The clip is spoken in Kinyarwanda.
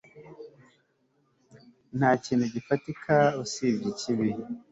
Ntakintu gifatika usibye ikibi